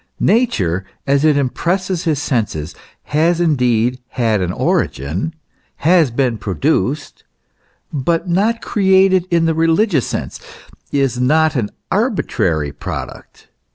Nature, as it impresses his senses, has indeed had an origin, has been produced, but not created in the religious sense, is not an arbitrary product.